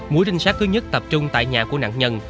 mũi trinh sát thứ nhất tập trung tại nhà của nạn nhân